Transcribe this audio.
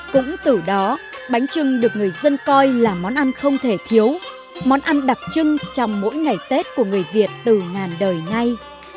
cũng từ đó bánh trưng được người dân coi là món ăn không thể thiếu món ăn đặc trưng trong mỗi ngày tết của người việt từ ngàn đời nay